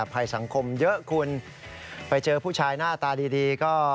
ภัยสังคมเยอะคุณไปเจอผู้ชายหน้าตาดีก็